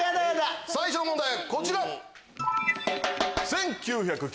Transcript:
最初の問題はこちら！